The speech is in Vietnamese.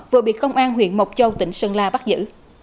vừa bị công an huyện mộc châu tỉnh sơn la bắt giữ